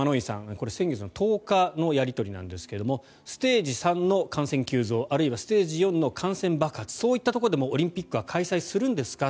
これは先月１０日のやり取りですがステージ３の感染急増あるいはステージ４の感染爆発そういったところでもオリンピックは開催するんですか。